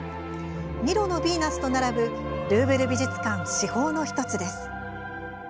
「ミロのヴィーナス」と並ぶルーブル美術館、至宝の１つです。